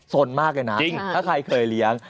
สนมากเลยนะจริงถ้าใครเคยเลี้ยง